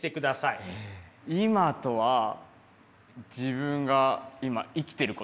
「今」とは自分が今生きてること？